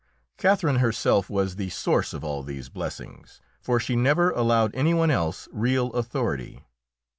Catherine herself was the source of all these blessings, for she never allowed any one else real authority.